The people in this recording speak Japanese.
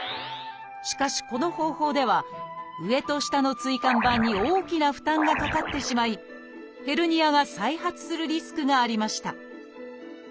しかしこの方法では上と下の椎間板に大きな負担がかかってしまいヘルニアが再発するリスクがありました